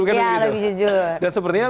ya lebih jujur dan sepertinya